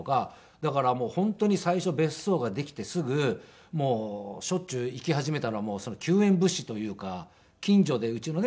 だから本当に最初別荘ができてすぐしょっちゅう行き始めたのは救援物資というか近所でうちのね